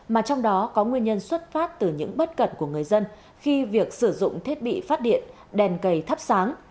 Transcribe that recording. mà trong đó có nguyên nhân xuất phát từ những bất cập của người dân khi việc sử dụng thiết bị phát điện đèn cầy thắp sáng